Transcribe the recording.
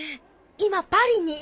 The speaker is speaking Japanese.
今パリに。